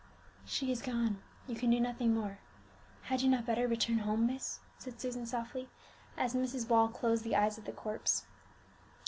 "She is gone; you can do nothing more. Had you not better return home, miss?" said Susan softly, as Mrs. Wall closed the eyes of the corpse.